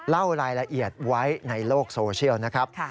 เล่ารายละเอียดไว้ในโลกโซเชียลนะครับ